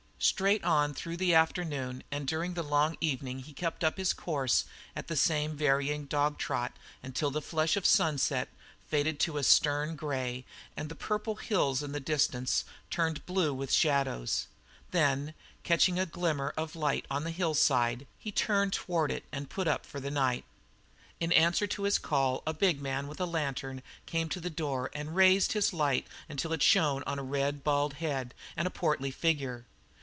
Straight on through the afternoon and during the long evening he kept his course at the same unvarying dog trot until the flush of the sunset faded to a stern grey and the purple hills in the distance turned blue with shadows. Then, catching the glimmer of a light on a hillside, he turned toward it to put up for the night. In answer to his call a big man with a lantern came to the door and raised his light until it shone on a red, bald head and a portly figure.